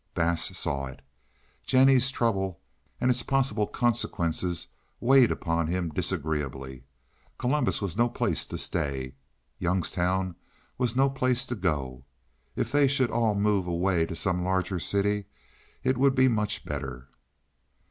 Bass saw it. Jennie's trouble and its possible consequences weighed upon him disagreeably. Columbus was no place to stay. Youngstown was no place to go. If they should all move away to some larger city it would be much better.